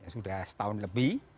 sudah setahun lebih